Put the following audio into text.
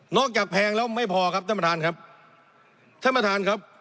จากแพงแล้วไม่พอครับท่านประธานครับท่านประธานครับ